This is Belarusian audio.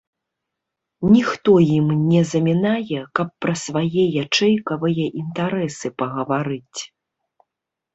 Ніхто ім не замінае, каб пра свае ячэйкавыя інтарэсы пагаварыць.